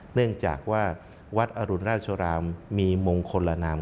เนื่องจากว่าวัดอรุณราชรามมีมงคลละนาม